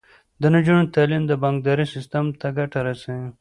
د نجونو تعلیم د بانکدارۍ سیستم ته ګټه رسوي.